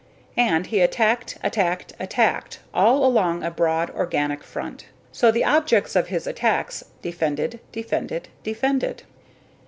And he attacked, attacked, attacked all along a broad organic front. So the objects of his attacks defended, defended, defended.